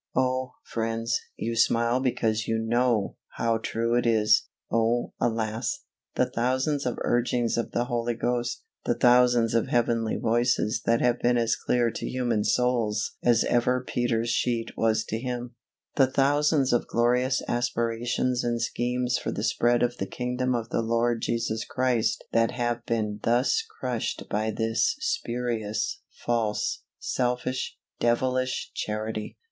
Oh! friends, you smile because you know how true it is! Oh, alas! the thousands of urgings of the Holy Ghost; the thousands of heavenly voices that have been as clear to human souls as ever Peter's sheet was to him; the thousands of glorious aspirations and schemes for the spread of the kingdom of the Lord Jesus Christ that have been thus crushed by this spurious, false, selfish, devilish Charity!